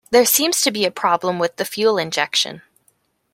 There seems to be a problem with the fuel injection.